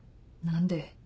何で？